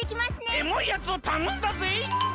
エモいやつをたのんだぜい！